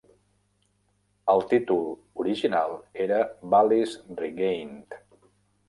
El títol original era "Valis Regained".